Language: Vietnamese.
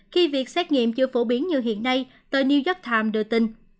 khi việc xét nghiệm chưa phổ biến như hiện nay tờ new york times đưa tin